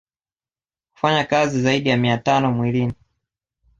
Hufanya kazi zaidi ya mia tano mwilini